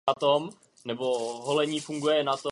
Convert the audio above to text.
Přesto určitá část obyvatel město opustila.